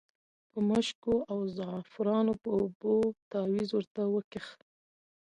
په مشکو او زعفرانو په اوبو تاویز ورته وکیښ.